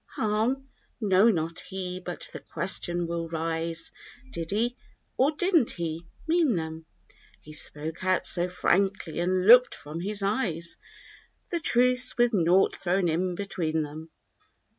Harm? No, not he; but the question will rise— "Did he, or didn't he, mean them?" He spoke out so frankly and looked, from his eyes. The truths, with naught thrown in between them.